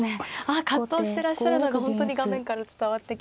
あ葛藤してらっしゃるのが本当に画面から伝わってきます。